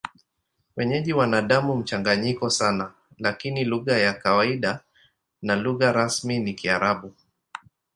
Wenyeji wana damu mchanganyiko sana, lakini lugha ya kawaida na lugha rasmi ni Kiarabu.